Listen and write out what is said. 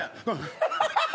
アハハハハ！